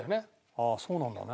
ああそうなんだね。